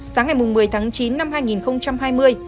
sáng ngày một mươi tháng chín năm hai nghìn hai mươi